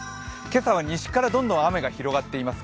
今朝は西からどんどん雨が広がっています。